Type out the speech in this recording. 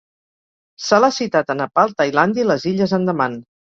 Se l'ha citat a Nepal, Tailàndia i les illes Andaman.